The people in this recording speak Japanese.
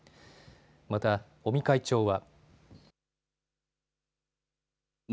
また尾身会長は。